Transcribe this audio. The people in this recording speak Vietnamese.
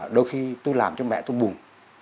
đôi khi tôi làm cho mẹ tôi buồn